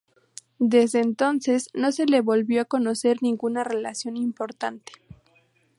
Desde entonces no se le volvió a conocer ninguna relación importante.